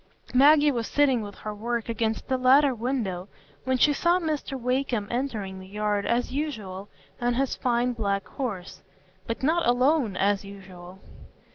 Maggie was sitting with her work against the latter window when she saw Mr Wakem entering the yard, as usual, on his fine black horse; but not alone, as usual.